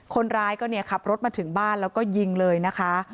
คนร้ายก็เนี่ยขับรถมาถึงบ้านแล้วก็ยิงเลยนะคะ